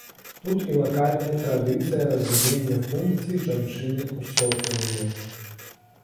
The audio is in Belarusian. Тут і лакальная традыцыя разумення функцый жанчыны ў соцыуме.